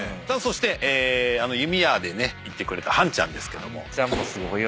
そしてあの弓矢で射ってくれたはんちゃんですけども。